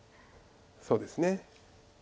そうですね。